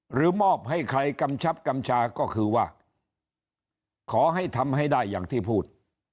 มอบให้ใครกำชับกำชาก็คือว่าขอให้ทำให้ได้อย่างที่พูด